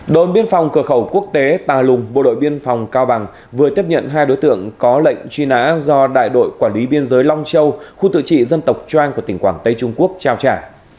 đội biên phòng cửa khẩu quốc tế tà lùng bộ đội biên phòng cao bằng vừa tiếp nhận hai đối tượng có lệnh truy nã do đại đội quản lý biên giới long châu khu tự trị dân tộc trang của tỉnh quảng tây trung quốc trao trả